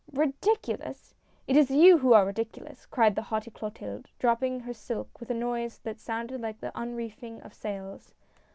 " Ridiculous ! It is you who are ridiculous !" cried the haughty Clotilde, dropping her silk with a noise that sounded like the unreefing of sails.